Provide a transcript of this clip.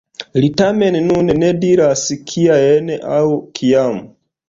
Li tamen nun ne diras kiajn aŭ kiam.